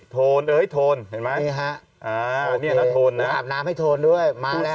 โทนเษย์โทนเห็นไหม